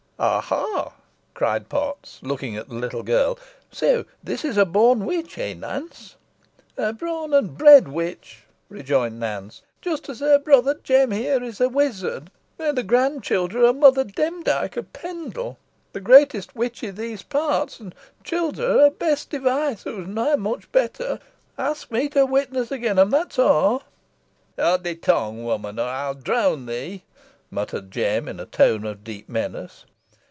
"Aha!" cried Potts, looking at the little girl, "So this is a born witch eh, Nance?" "A born an' bred witch," rejoined Nance; "jist as her brother Jem here is a wizard. They're the gran childer o' Mother Demdike o' Pendle, the greatest witch i' these parts, an childer o' Bess Device, who's nah much better. Ask me to witness agen 'em, that's aw." "Howd thy tongue, woman, or ey'n drown thee," muttered Jem, in a tone of deep menace.